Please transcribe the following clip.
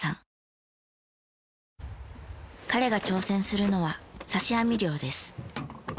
彼が挑戦するのは刺し網漁です。